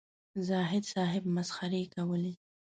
زاهدي صاحب مسخرې کولې.